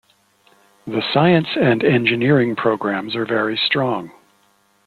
The science and engineering programs are very strong.